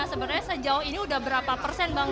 sebenarnya sejauh ini udah berapa persen bang